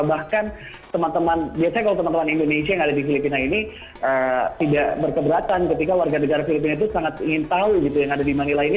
bahkan teman teman biasanya kalau teman teman indonesia yang ada di filipina ini tidak berkeberatan ketika warga negara filipina itu sangat ingin tahu gitu yang ada di manila ini